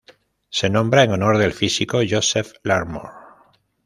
Se nombra en honor del físico Joseph Larmor.